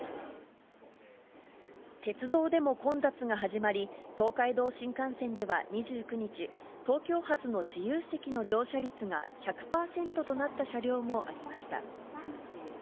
鉄道でも混雑が始まり、東海道新幹線では２９日、東京発の自由席の乗車率が１００％となった車両もありました。